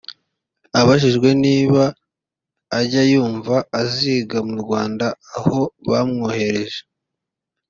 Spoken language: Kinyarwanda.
Abajijwe niba ajya yumva aziga mu Rwanda aho bamwohereje